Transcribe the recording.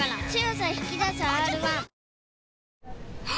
あ！